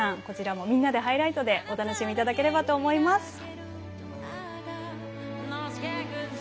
こちらも「みんなでハイライト」でお楽しみいただければと思います。